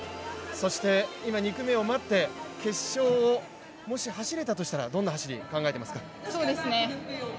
そして２組目を待って、決勝をもし走れたとしたらどんな思いを持っていますか。